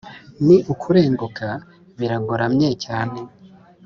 Ni ukurenguka biragoramye cyane